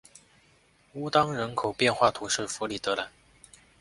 乌当人口变化图示弗里德兰